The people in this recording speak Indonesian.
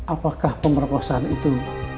apakah pemerkosaan itu